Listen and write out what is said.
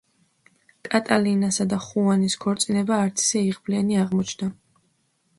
კატალინასა და ხუანის ქორწინება არც ისე იღბლიანი აღმოჩნდა.